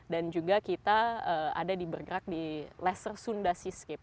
dan juga kita ada di bergerak di lesser sunda seascape